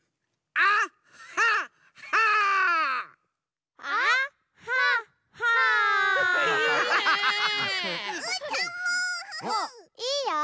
あっいいよ。